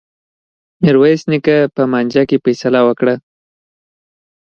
میرويس نیکه په مانجه کي فيصله وکړه.